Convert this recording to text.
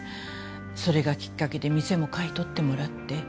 それがきっかけで店も買い取ってもらって。